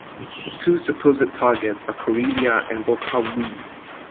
Two supposed targets are Corellia and Bothawui.